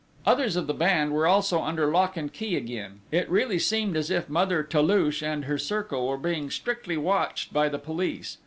Others of the band were also under lock and key again: it really seemed as if Mother Toulouche and her circle were being strictly watched by the police